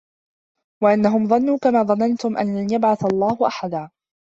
وَأَنَّهُم ظَنّوا كَما ظَنَنتُم أَن لَن يَبعَثَ اللَّهُ أَحَدًا